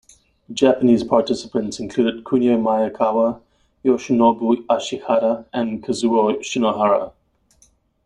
Japanese participants included Kunio Maekawa, Yoshinobu Ashihara and Kazuo Shinohara.